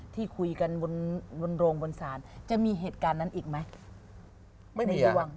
ที่คุยกันบนโรงบนศาลจะมีเหตุการณ์นั้นอีกไหมไม่ได้